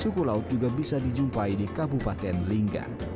suhu laut juga bisa dijumpai di kabupaten lingga